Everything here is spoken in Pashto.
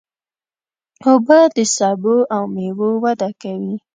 اوبه د سبو او مېوو وده کوي.